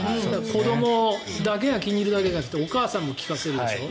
子どもだけが気にいるだけじゃなくてお母さんも聴かせるでしょ。